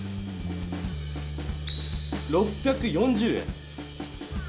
６４０円。